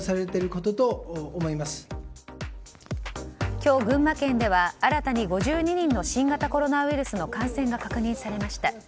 今日、群馬県では新たに５２人の新型コロナウイルスの感染が確認されました。